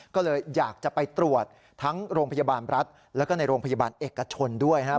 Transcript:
ก็เลยอยากจะไปตรวจทั้งโรงพยาบาลรัฐแล้วก็ในโรงพยาบาลเอกชนด้วยนะครับ